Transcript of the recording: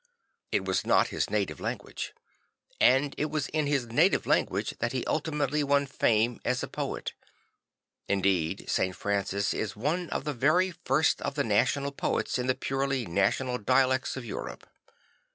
It was not his native language; and it was in his native language that he ultimately won fame as a poet; indeed St. Francis is one of the very first of the national poets in the purely national dialects of Europe.